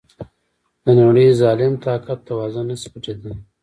د نړی ظالم طاقت توازن نشي پټیدای.